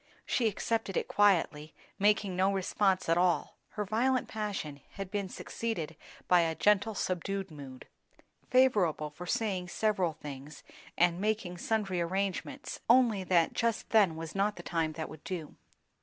She accepted it quietly, making no response at all; her violent passion had been succeeded by a gentle, subdued mood. Favourable for saying several things and making sundry arrangements; only that just then was not the time that would do.